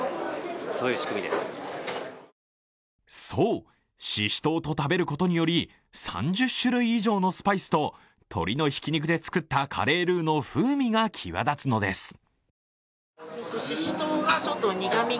そう、ししとうと食べることにより３０種類以上のスパイスと鶏のひき肉で作ったカレールーの風味が際立つのです。